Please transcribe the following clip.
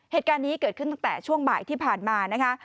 เหตุการณ์นี้เกิดขึ้นตั้งแต่ช่วงบ่ายที่ผ่านมานะคะ